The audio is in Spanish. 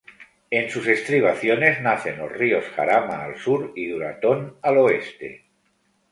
En sus estribaciones nacen los ríos Jarama, al sur, y Duratón, al oeste.